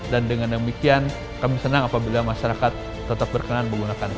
dan dengan demikian kami senang apabila masyarakat tetap berkenan menggunakan kris